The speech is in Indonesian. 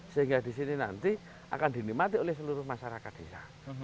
sehingga di sini nanti akan dinikmati oleh seluruh masyarakat desa